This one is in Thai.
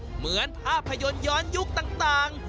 เหมือนภาพยนตร์ย้อนยุคต่าง